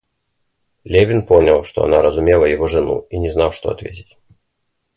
Левин понял, что она разумела его жену, и не знал, что ответить.